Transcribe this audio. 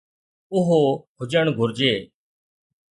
اهو هجڻ گهرجي.